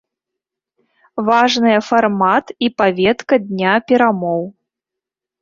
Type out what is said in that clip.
Важныя фармат і паветка дня перамоў.